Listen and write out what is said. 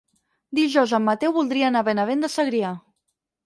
Dijous en Mateu voldria anar a Benavent de Segrià.